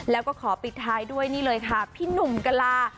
แล้วก็ขอปิดท้ายด้วยนี่เลยค่ะพี่หนุ่มกะลา